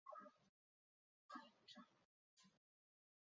邓文乔是河静省河清府石河县上二总拂挠社出生。